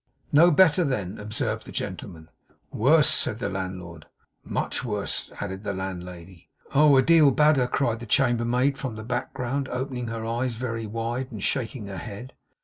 'No better, then?' observed the gentleman. 'Worse!' said the landlord. 'Much worse,' added the landlady. 'Oh! a deal badder,' cried the chambermaid from the background, opening her eyes very wide, and shaking her head.